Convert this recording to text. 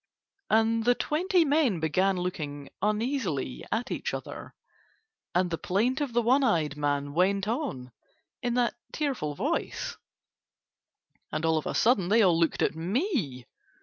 And the twenty men began looking uneasily at each other, and the plaint of the one eyed man went on in that tearful voice, and all of a sudden they all looked at me.